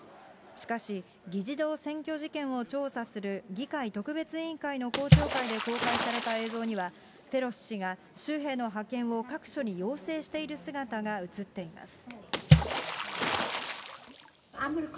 しかし、議事堂占拠事件を調査する議会特別委員会の公聴会で公開された映像には、ペロシ氏が州兵の派遣を各所に要請している姿が映っています。